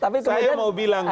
tapi kemudian hati hati beliau